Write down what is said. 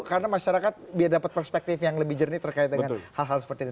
karena masyarakat biar dapat perspektif yang lebih jernih terkait dengan hal hal seperti ini